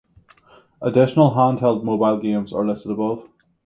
Additional handheld and mobile games are listed above.